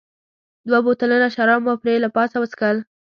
دوه بوتلونه شراب مو پرې له پاسه وڅښل.